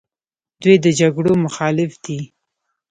دوی د جګړو مخالف دي.